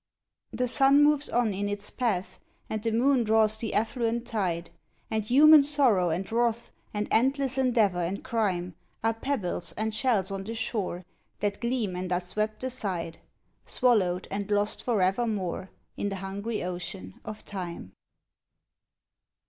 The sun moves on in its path, and the moon draws the affluent tide, And human sorrow and wrath and endless endea vour and crime Are pebbles and shells on the shore that gleam and are swept aside, Swallowed and lost for evermore in the hungry ocean of time.